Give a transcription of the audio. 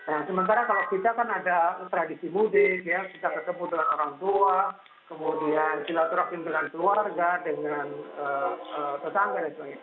nah sementara kalau kita kan ada tradisi mudik ya kita ketemu dengan orang tua kemudian silaturahim dengan keluarga dengan tetangga dan sebagainya